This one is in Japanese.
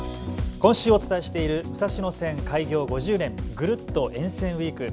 今週お伝えしている武蔵野線開業５０年ぐるっと沿線ウイーク。